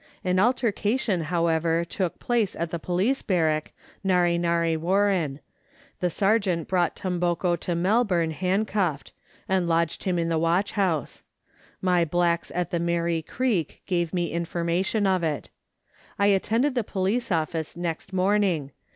An altercation, however, took place at the police barrack, Narre Narre Warren. The sergeant brought Tomboko to Melbourne handcuffed, and lodged him in the watch house. My blacks at the Merri Creek gave me information of it. I attended the police office next morning.